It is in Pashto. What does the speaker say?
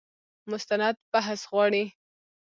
مستند بحث غواړي.